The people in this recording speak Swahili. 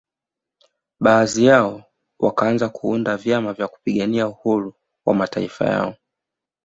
Baadhi yao wakanza kuunda vyama vya kupigania uhuru wa mataifa yao